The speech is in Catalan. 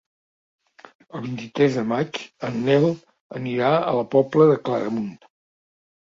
El vint-i-tres de maig en Nel anirà a la Pobla de Claramunt.